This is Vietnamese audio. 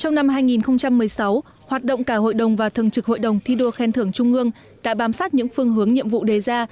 trong năm hai nghìn một mươi sáu hoạt động cả hội đồng và thường trực hội đồng thi đua khen thưởng trung ương đã bám sát những phương hướng nhiệm vụ đề ra